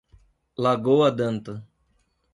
Lagoa d'Anta